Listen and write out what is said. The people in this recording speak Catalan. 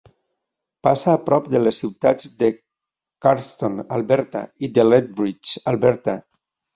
Passa a prop de les ciutats de Cardston (Alberta) i de Lethbridge (Alberta).